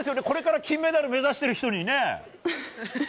これから金メダル目指してる人にね。